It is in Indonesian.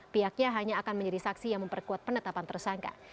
pihaknya hanya akan menjadi saksi yang memperkuat penetapan tersangka